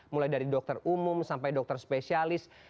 mulai dari dokter umum sampai dokter spesialis